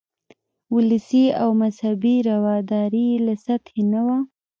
ولسي او مذهبي رواداري یې له سطحې نه وه.